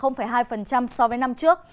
giảm hai so với năm trước